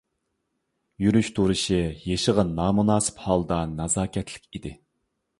يۈرۈش-تۇرۇشى يېشىغا نامۇناسىپ ھالدا نازاكەتلىك ئىدى.